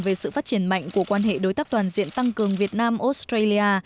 về sự phát triển mạnh của quan hệ đối tác toàn diện tăng cường việt nam australia